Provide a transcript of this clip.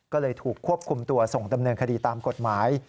ก็เลยถูกควบคุมตัวส่งดำเนินคดีตามกฎหมาย